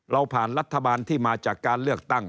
เราผ่านรัฐบาลที่มาจากการเลือกตั้ง